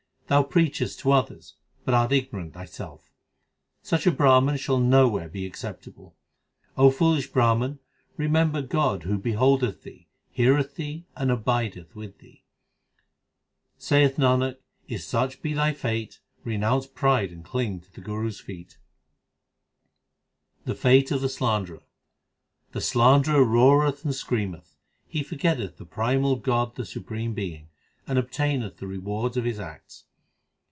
Thou preachest to others, but art ignorant thyself. Such a Brahman shall nowhere be acceptable. O foolish Brahman, remember God Who beholdeth thee, heareth thee, and abideth with thee. Saith Nanak, if such be thy fate, Renounce pride and cling to the Guru s feet. 1 A mediator saint. HYMNS OF GURU ARJAN 281 The fate of the slanderer : The slanderer roareth and screameth, He forgetteth the primal God the Supreme Being, and obtaineth the reward of his acts.